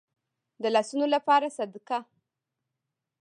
د لاسونو لپاره صدقه.